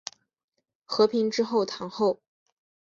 和平之后堂后。